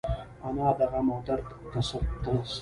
انا د غم او درد تسل ده